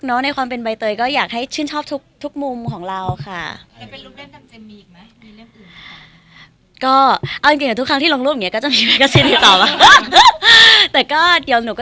เสนอีกมีเรื่องอื่นกันเหรอคะ